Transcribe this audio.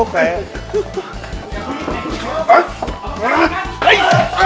เหา๊ย